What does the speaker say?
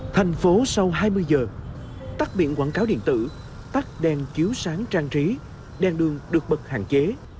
thành phố sau hai mươi giờ tắt biển quảng cáo điện tử tắt đèn chiếu sáng trang trí đèn đường được bật hạn chế